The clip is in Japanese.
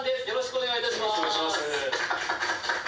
よろしくお願いします